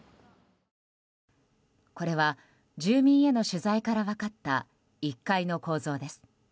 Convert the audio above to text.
これは住民への取材から分かった１階の構造です。